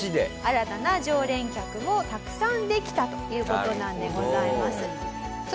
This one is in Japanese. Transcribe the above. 新たな常連客もたくさんできたという事なのでございます。